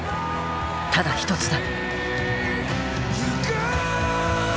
ただ一つだ。